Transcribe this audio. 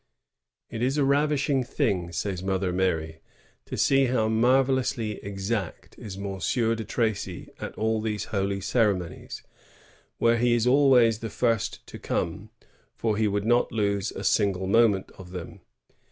^ It is a ravishing thing,*' says Mother Mary, ^*to see how marvellously exact is Monsieur de Tracy at all these holy ceremonies, where he is always the first to come, for he would not lose a single moment of them.